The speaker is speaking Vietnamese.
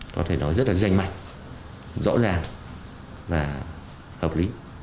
có thể nói rất là dành mạnh rõ ràng và hợp lý